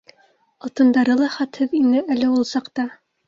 Алтындары ла хәтһеҙ ине әле ул саҡта.